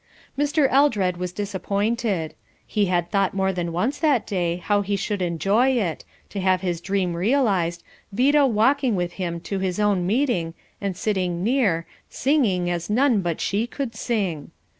Mr. Eldred was disappointed. He had thought more than once that day how he should enjoy it; to have his dream realized, Vida walking with him, to his own meeting, and sitting near, singing as none but she could sing.